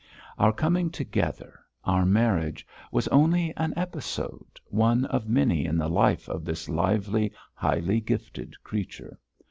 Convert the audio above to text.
Our coming together, our marriage, was only an episode, one of many in the life of this lively, highly gifted creature.